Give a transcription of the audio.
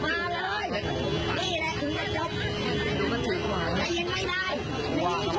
มันก็เลี่ยวส่วน